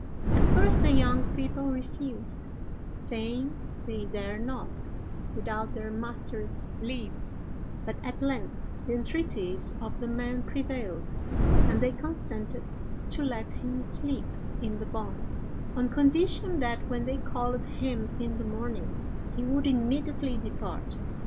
At first the young people refused, saying they dared not, without their master's leave; but at length the entreaties of the man prevailed, and they consented to let him sleep in the barn, on condition that, when they called him in the morning, he would immediately depart.